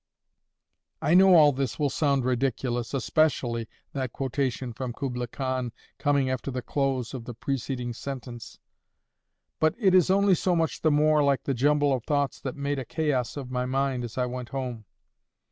I know all this will sound ridiculous, especially that quotation from Kubla Khan coming after the close of the preceding sentence; but it is only so much the more like the jumble of thoughts that made a chaos of my mind as I went home.